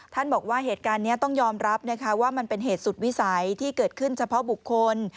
บอกว่าเหตุการณ์นี้ต้องยอมรับนะคะว่ามันเป็นเหตุสุดวิสัยที่เกิดขึ้นเฉพาะบุคคล